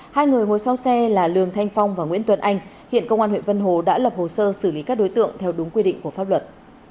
hai người ngồi sau xe là lường thanh phong và nguyễn tuấn anh hiện công an huyện vân hồ đã lập hồ sơ xử lý các đối tượng theo đúng quy định của pháp luật